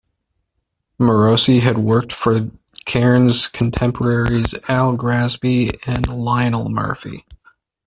Morosi had worked for Cairns' contemporaries, Al Grassby and Lionel Murphy.